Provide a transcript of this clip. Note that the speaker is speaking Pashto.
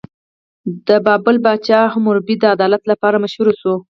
د بابل پاچا حموربي د عدالت لپاره مشهور شو.